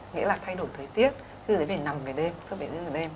nghĩa là thay đổi thời tiết dưới dưới về nằm về đêm dưới dưới về đêm